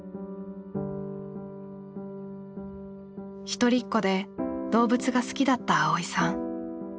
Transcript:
一人っ子で動物が好きだった蒼依さん。